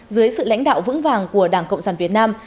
dưới sự lãnh đạo vững vàng của đảng cộng sản việt nam